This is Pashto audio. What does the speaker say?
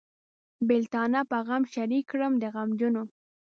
بېلتانه په غم شریک کړم د غمجنو.